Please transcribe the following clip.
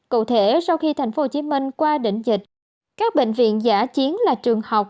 cụ thể sau khi tp hcm qua định dịch các bệnh viện giả chiến là trường học